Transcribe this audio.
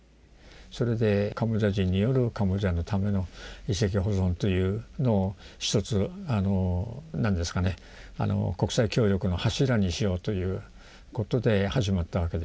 それでカンボジア人によるカンボジアのための遺跡保存というのを一つ国際協力の柱にしようということで始まったわけです。